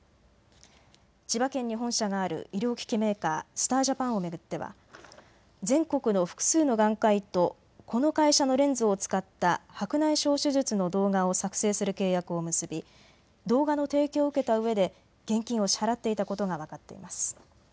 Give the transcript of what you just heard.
千葉県に本社がある医療機器メーカー、スター・ジャパンを巡っては全国の複数の眼科医とこの会社のレンズを使った白内障手術の動画を作成する契約を結び動画の提供を受けたうえで現金を支払っていたことが分かっています。